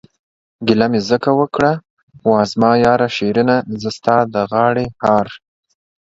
گيله مې ځکه اوکړه وا زما ياره شيرينه، زه ستا د غاړې هار...